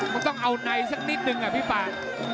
มันต้องเอานายสักนิดนึงอ่ะพี่ฟ้า